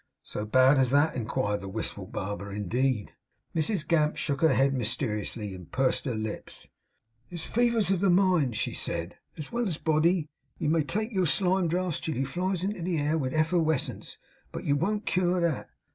'So bad as that?' inquired the wistful barber. 'Indeed!' Mrs Gamp shook her head mysteriously, and pursed up her lips. 'There's fevers of the mind,' she said, 'as well as body. You may take your slime drafts till you flies into the air with efferwescence; but you won't cure that.